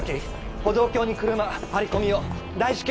歩道橋に車張り込み用大至急